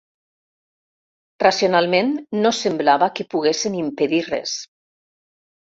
Racionalment, no semblava que poguessin impedir res.